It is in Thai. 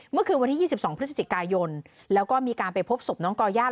เมื่อคืนวันที่๒๒พฤศจิกายนแล้วก็มีการไปพบศพน้องก่อย่า